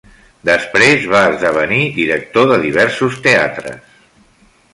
Després va esdevenir director de diversos teatres.